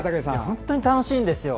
本当に楽しいんですよ。